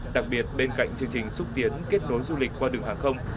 đặc biệt bên cạnh chương trình xúc tiến kết nối du lịch qua đường hàng không